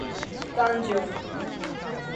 ダンジョン